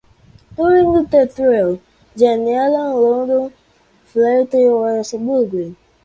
During the trial, Jani Allan's London flat was burgled.